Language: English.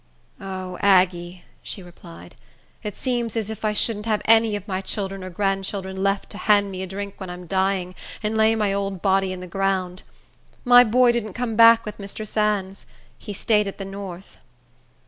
"O Aggie," she replied, "it seems as if I shouldn't have any of my children or grandchildren left to hand me a drink when I'm dying, and lay my old body in the ground. My boy didn't come back with Mr. Sands. He staid at the north."